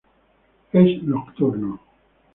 Es nocturno.